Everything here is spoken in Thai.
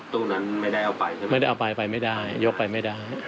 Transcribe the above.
ตู้นั้นไม่ได้เอาไปใช่ไหมไม่ได้เอาไปไปไม่ได้ยกไปไม่ได้